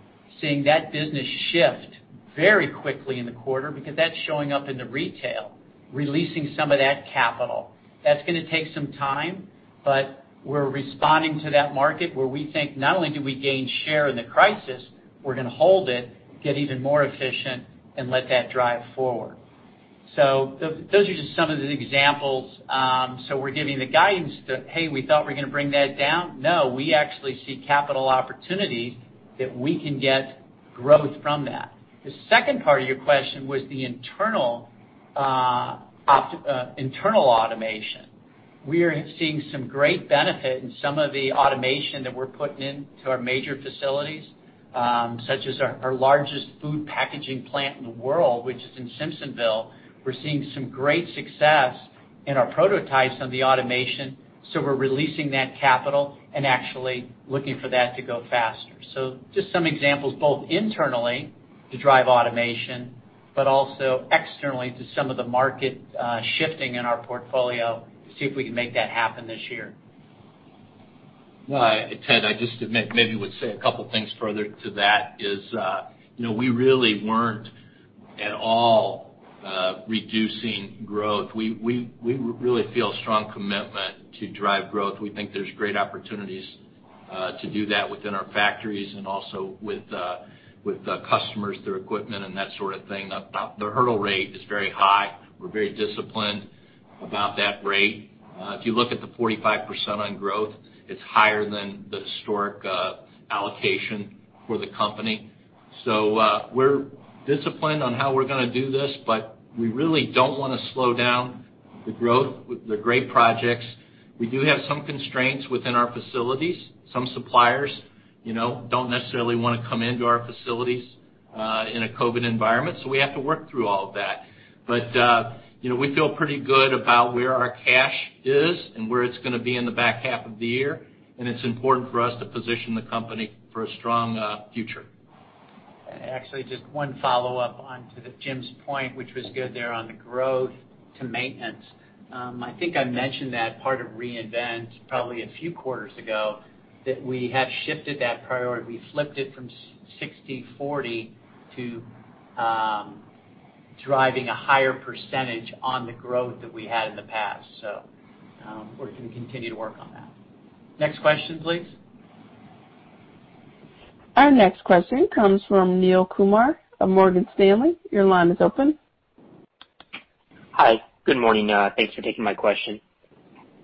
Seeing that business shift very quickly in the quarter because that's showing up in the retail, releasing some of that capital. That's going to take some time, but we're responding to that market where we think not only do we gain share in the crisis, we're going to hold it, get even more efficient, and let that drive forward. Those are just some of the examples. We're giving the guidance that, hey, we thought we were going to bring that down. We actually see capital opportunity that we can get growth from that. The second part of your question was the internal automation. We are seeing some great benefit in some of the automation that we're putting into our major facilities, such as our largest food packaging plant in the world, which is in Simpsonville. We're seeing some great success in our prototypes on the automation, we're releasing that capital and actually looking for that to go faster. Just some examples, both internally to drive automation, but also externally to some of the market shifting in our portfolio to see if we can make that happen this year. Well, Ted, I just maybe would say a couple things further to that is, we really weren't at all reducing growth. We really feel a strong commitment to drive growth. We think there's great opportunities to do that within our factories and also with the customers through equipment and that sort of thing. The hurdle rate is very high. We're very disciplined about that rate. If you look at the 45% on growth, it's higher than the historic allocation for the company. We're disciplined on how we're going to do this, but we really don't want to slow down the growth with the great projects. We do have some constraints within our facilities. Some suppliers don't necessarily want to come into our facilities in a COVID-19 environment, we have to work through all of that. We feel pretty good about where our cash is and where it's going to be in the H2 of the year. It's important for us to position the company for a strong future. Actually, just one follow-up onto Jim's point, which was good there on the growth to maintenance. I think I mentioned that part of Reinvent probably a few quarters ago, that we have shifted that priority. We flipped it from 60/40 to driving a higher percentage on the growth that we had in the past. We're going to continue to work on that. Next question, please. Our next question comes from Neel Kumar of Morgan Stanley. Your line is open. Hi. Good morning. Thanks for taking my question.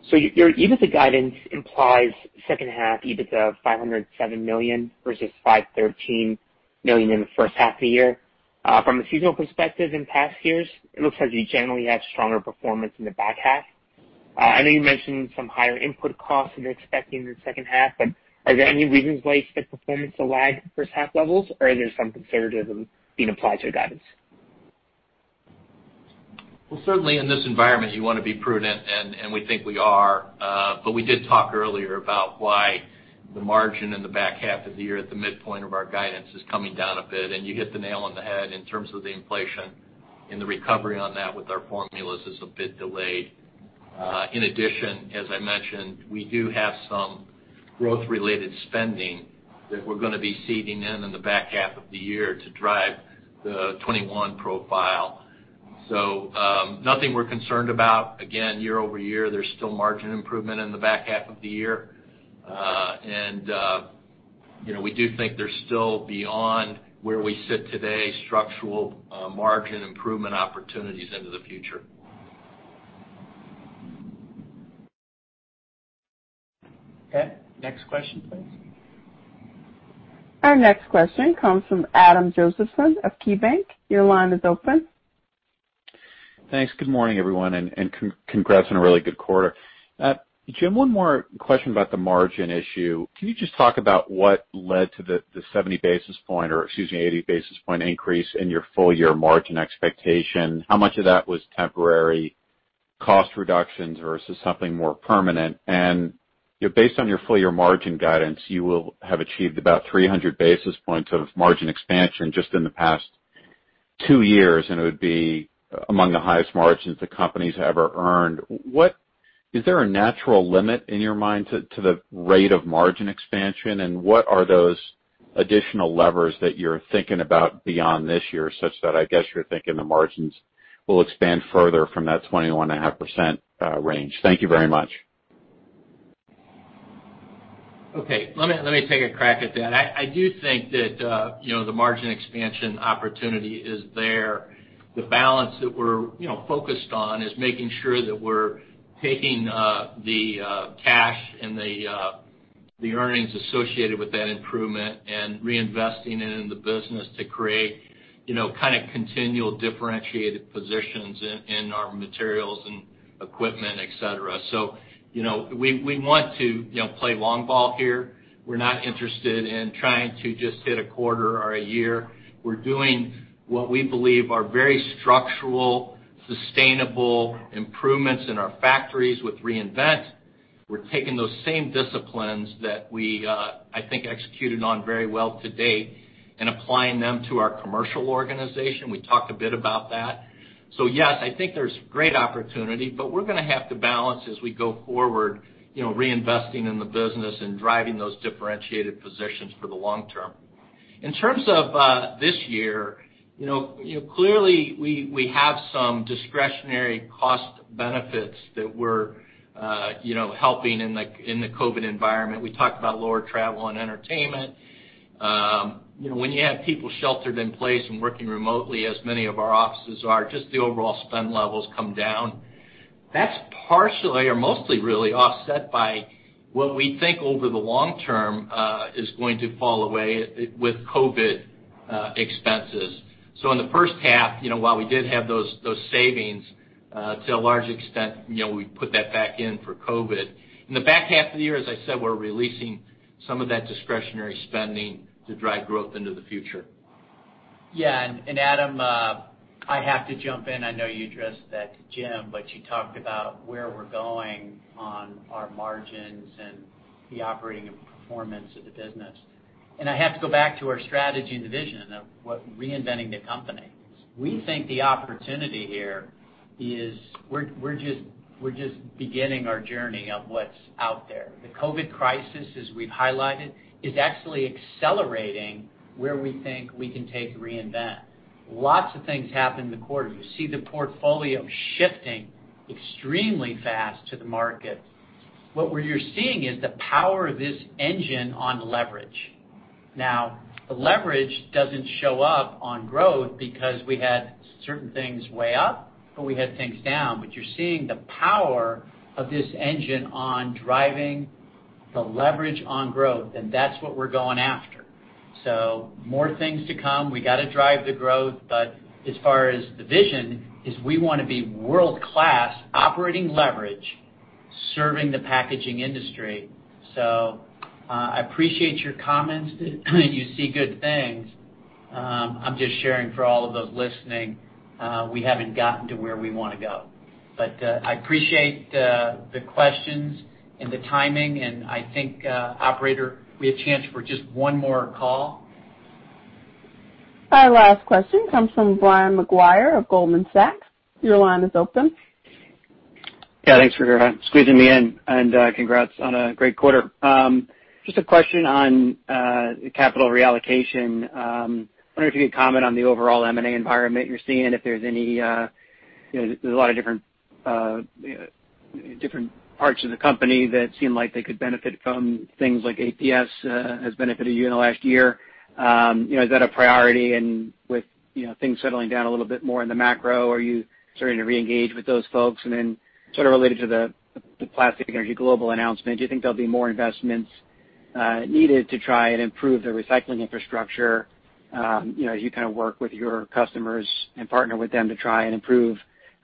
Your EBITDA guidance implies H2 EBITDA of $507 million versus $513 million in the H1 of the year. From a seasonal perspective in past years, it looks like you generally have stronger performance in the H2. I know you mentioned some higher input costs that you're expecting in the H2, but are there any reasons why you expect performance to lag H1 levels, or is there some conservatism being applied to the guidance? Well, certainly in this environment, you want to be prudent, and we think we are. We did talk earlier about why the margin in the H2 of the year at the midpoint of our guidance is coming down a bit, and you hit the nail on the head in terms of the inflation and the recovery on that with our formulas is a bit delayed. In addition, as I mentioned, we do have some growth-related spending that we're going to be seeding in the H2 of the year to drive the 2021 profile. Nothing we're concerned about. Again, year-over-year, there's still margin improvement in the H2 of the year. We do think there's still, beyond where we sit today, structural margin improvement opportunities into the future. Okay. Next question, please. Our next question comes from Adam Josephson of KeyBank. Your line is open. Thanks. Good morning, everyone. Congrats on a really good quarter. Jim, one more question about the margin issue. Can you just talk about what led to the 70 basis point, or excuse me, 80 basis point increase in your full-year margin expectation? How much of that was temporary cost reductions versus something more permanent? Based on your full-year margin guidance, you will have achieved about 300 basis points of margin expansion just in the past two years, and it would be among the highest margins the company's ever earned. Is there a natural limit in your mind to the rate of margin expansion, and what are those additional levers that you're thinking about beyond this year such that, I guess, you're thinking the margins will expand further from that 21.5% range? Thank you very much. Okay. Let me take a crack at that. I do think that the margin expansion opportunity is there. The balance that we're focused on is making sure that we're taking the cash and the earnings associated with that improvement and reinvesting it in the business to create continual differentiated positions in our materials and equipment, et cetera. We want to play long ball here. We're not interested in trying to just hit a quarter or a year. We're doing what we believe are very structural, sustainable improvements in our factories with Reinvent SEE. We're taking those same disciplines that we, I think, executed on very well to date and applying them to our commercial organization. We talked a bit about that. Yes, I think there's great opportunity, but we're going to have to balance as we go forward, reinvesting in the business and driving those differentiated positions for the long term. In terms of this year, clearly, we have some discretionary cost benefits that we're helping in the COVID environment. We talked about lower travel and entertainment. When you have people sheltered in place and working remotely, as many of our offices are, just the overall spend levels come down. That's partially or mostly really offset by what we think over the long term, is going to fall away with COVID expenses. In the H1, while we did have those savings, to a large extent, we put that back in for COVID. In the H2 of the year, as I said, we're releasing some of that discretionary spending to drive growth into the future. Yeah. Adam, I have to jump in. I know you addressed that to Jim, but you talked about where we're going on our margins and the operating performance of the business. I have to go back to our strategy and the vision of Reinvent SEE. We think the opportunity here is we're just beginning our journey of what's out there. The COVID-19 crisis, as we've highlighted, is actually accelerating where we think we can take Reinvent SEE. Lots of things happened in the quarter. You see the portfolio shifting extremely fast to the market. What you're seeing is the power of this engine on leverage. Now, the leverage doesn't show up on growth because we had certain things way up, but we had things down. You're seeing the power of this engine on driving the leverage on growth, and that's what we're going after. More things to come. We got to drive the growth. As far as the vision is we want to be world-class operating leverage, serving the packaging industry. I appreciate your comments that you see good things. I'm just sharing for all of those listening. We haven't gotten to where we want to go. I appreciate the questions and the timing, and I think, operator, we have a chance for just one more call. Our last question comes from Brian Maguire of Goldman Sachs. Your line is open. Yeah, thanks for squeezing me in and congrats on a great quarter. Just a question on capital reallocation. I wonder if you could comment on the overall M&A environment you're seeing. There's a lot of different parts of the company that seem like they could benefit from things like APS has benefited you in the last year. Is that a priority? With things settling down a little bit more in the macro, are you starting to reengage with those folks? Sort of related to the Plastic Energy Global announcement, do you think there'll be more investments needed to try and improve the recycling infrastructure as you work with your customers and partner with them to try and improve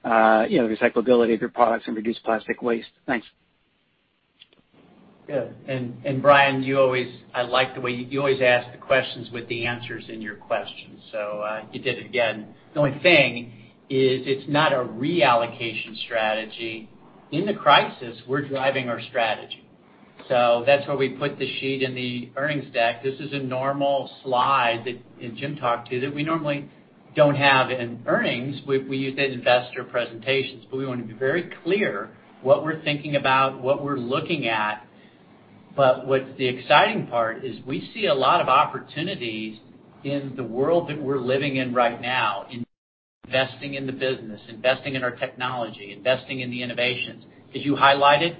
the recyclability of your products and reduce plastic waste? Thanks. Yeah. Brian, you always ask the questions with the answers in your questions. You did it again. The only thing is it's not a reallocation strategy. In the crisis, we're driving our strategy. That's why we put the sheet in the earnings deck. This is a normal slide that Jim talked to, that we normally don't have in earnings. We use it in investor presentations, but we want to be very clear what we're thinking about, what we're looking at. What the exciting part is, we see a lot of opportunities in the world that we're living in right now, investing in the business, investing in our technology, investing in the innovations. As you highlighted,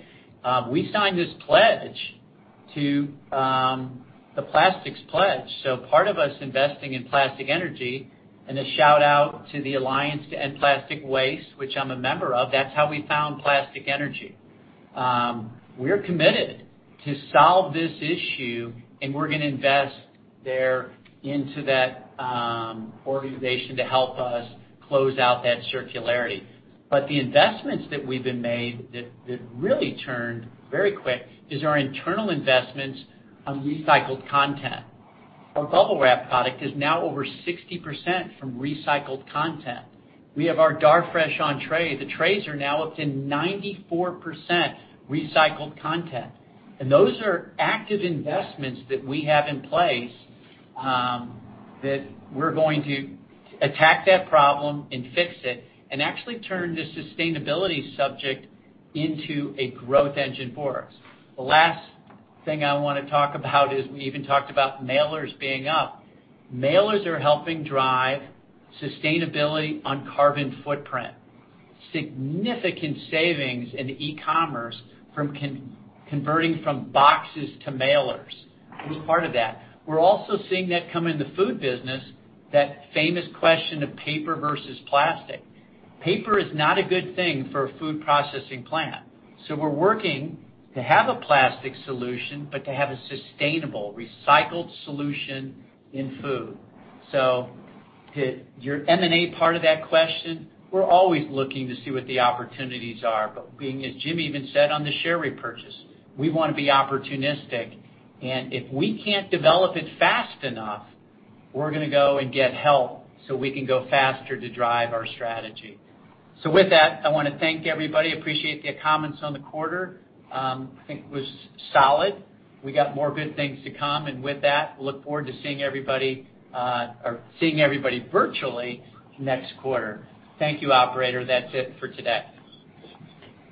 we signed this pledge to the plastics pledge. Part of us investing in Plastic Energy and a shout-out to the Alliance to End Plastic Waste, which I'm a member of, that's how we found Plastic Energy. We're committed to solve this issue, and we're going to invest there into that organization to help us close out that circularity. The investments that we've been made that really turned very quick is our internal investments on recycled content. Our Bubble Wrap product is now over 60% from recycled content. We have our Darfresh on Tray. The trays are now up to 94% recycled content. Those are active investments that we have in place that we're going to attack that problem and fix it and actually turn the sustainability subject into a growth engine for us. The last thing I want to talk about is we even talked about mailers being up. Mailers are helping drive sustainability on carbon footprint, significant savings in e-commerce from converting from boxes to mailers. It was part of that. We're also seeing that come in the Food business, that famous question of paper versus plastic. Paper is not a good thing for a food processing plant. We're working to have a plastic solution, but to have a sustainable recycled solution in Food. To your M&A part of that question, we're always looking to see what the opportunities are. Being, as Jim even said on the share repurchase, we want to be opportunistic, and if we can't develop it fast enough, we're going to go and get help so we can go faster to drive our strategy. With that, I want to thank everybody. Appreciate the comments on the quarter. I think it was solid. We got more good things to come. With that, look forward to seeing everybody virtually next quarter. Thank you, operator. That's it for today.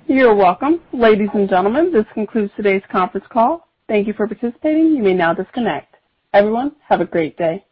You're welcome. Ladies and gentlemen, this concludes today's conference call. Thank you for participating. You may now disconnect. Everyone, have a great day.